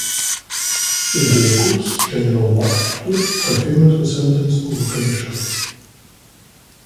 In due course, General MacArthur confirmed the sentence of the Commission.